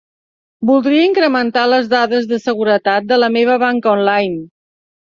Voldria incrementar les dades de seguretat de la meva banca online.